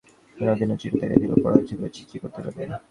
বিনোদিনী চিঠি ডাকে দিল–পাড়ার লোকে ছি ছি করিতে লাগিল।